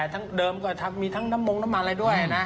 ทั้งแดดเดิมกว่าทับมีทั้งน้ำมงค์น้ำมันอะไรด้วยนะ